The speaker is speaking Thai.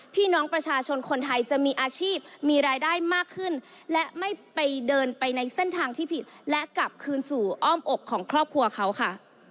พี่น้องประชาชนคนไทยจะมีอาชีพมีรายได้มากขึ้นและไม่ไปเดินไปในเส้นทางที่ผิดและกลับคืนสู่อ้อมอกของครอบครัวเขาค่ะ